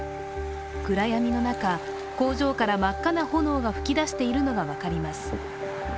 暗闇の中、工場から真っ赤な炎が噴き出しているのが分かります。